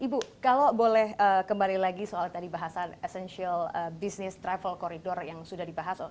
ibu kalau boleh kembali lagi soal tadi bahasan essential business travel corridor yang sudah dibahas